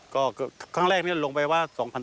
ก็ครั้งแรกนี่ลงไปว่า๒๐๐๐ตัว